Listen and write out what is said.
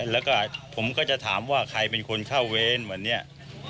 แล้วก็ผมก็จะถามว่าใครเป็นคนเข้าเวรเหมือนเนี่ย